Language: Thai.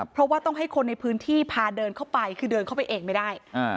เพราะว่าต้องให้คนในพื้นที่พาเดินเข้าไปคือเดินเข้าไปเองไม่ได้